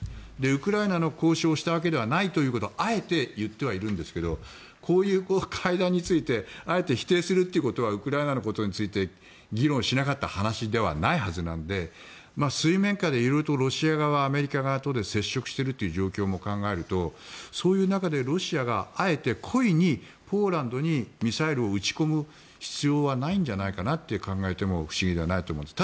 ウクライナの交渉をしたわけではないということをあえて言ってはいるんですがこういう会談についてあえて否定するということはウクライナについて議論しなかった話ではないはずなので水面下で色々ロシア側、アメリカ側とで接触しているという状況も考えるとそういう中でロシアがあえて故意にポーランドにミサイルを撃ち込む必要はないんじゃないかと考えても不思議ではないと思うんです。